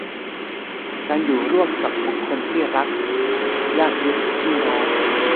การอยู่ร่วมกับบุคคลที่รัก ญาติมิตรพี่น้อง